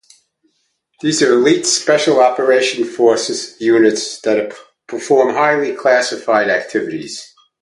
These are elite special operations forces units that perform highly classified activities.